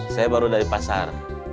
saya baru dari pasar